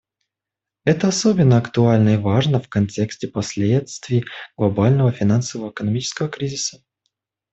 Это особенно актуально и важно в контексте последствий глобального финансово-экономического кризиса.